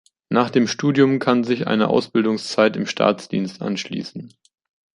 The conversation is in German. Nach dem Studium kann sich eine Ausbildungszeit im Staatsdienst anschließen.